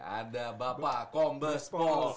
ada bapak kombes pol